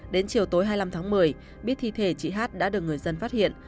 đến chiều tối hai mươi năm tháng một mươi biết thi thể chị hát đã được người dân phát hiện